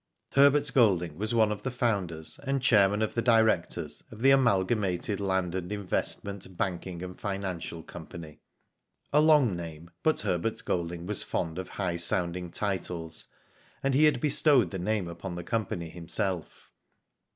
Herbert Golding was one of the founders and chairman of the directors, of the Amalgamated Land and Investment Banking and Financial Company. A long name, but Herbert Golding was fond of high sounding titles, and he had bestowed the name upon the company himself.